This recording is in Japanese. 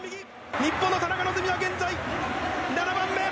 日本の田中は現在７番目。